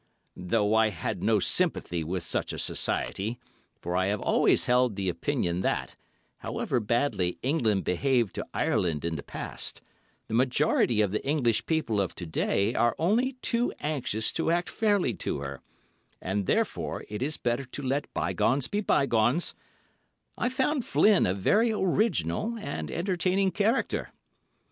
Though I had no sympathy with such a society—for I have always held the opinion that, however badly England behaved to Ireland in the past, the majority of the English people of to day are only too anxious to act fairly to her, and therefore it is better to let bygones be bygones—I found Flynn a very original and entertaining character.